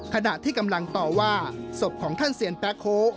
ขณะที่กำลังต่อว่าศพของท่านเซียนแป๊โค้